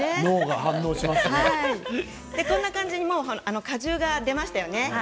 こんな感じに果汁が出ましたよね。